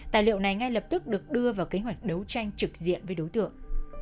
tài liệu này ngay lập tức được đưa vào kế hoạch đấu tranh trực diện với đối tượng